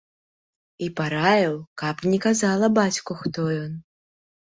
І параіў, каб не казала бацьку, хто ён.